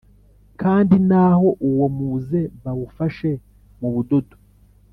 Kandi naho uwo muze wawufashe mu budodo